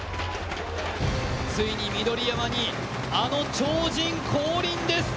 ついに緑山にあの超人降臨です。